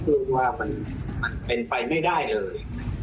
พูดว่ามันเป็นไปไม่ได้เลย